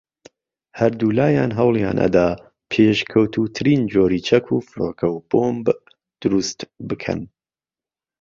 ھەردوولایان ھەوڵیان ئەدا پێشکەوتووترین جۆری چەک و فڕۆکەو بۆمب دروست بکەن